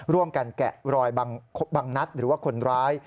ร่วมกันแกะรอยบังนัฐหรือว่าคนร้าย